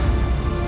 anda lah orang